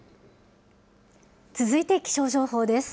続いて気象情報です。